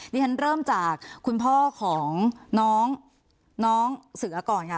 ที่ฉันเริ่มจากคุณพ่อของน้องเสือก่อนค่ะ